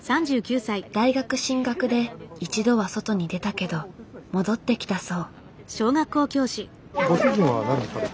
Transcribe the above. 大学進学で一度は外に出たけど戻ってきたそう。